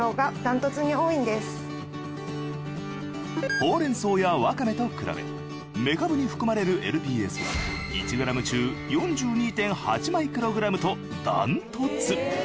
ホウレンソウやワカメと比べメカブに含まれるＬＰＳは１グラム中４２．８マイクログラムとダントツ。